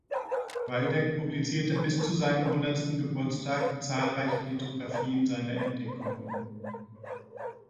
Waldeck publizierte bis zu seinem hundertsten Geburtstag zahlreiche Lithografien seiner Entdeckungen.